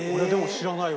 知らない？